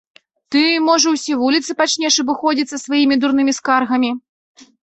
Ты, можа, усе вуліцы пачнеш абыходзіць са сваімі дурнымі скаргамі?